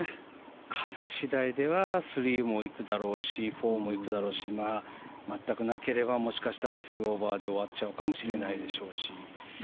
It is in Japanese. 風次第では３も行くだろうし４も行くだろうし全くなければもしかしたら２オーバーで終わっちゃうかもしれないでしょうし。